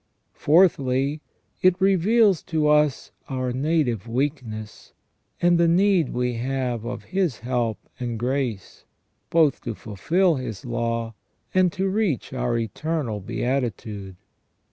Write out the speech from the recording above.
Fourthly, it reveals to us our native weakness, and the need we have of His help and grace, both to fulfil His law, and to reach our eternal beatitude.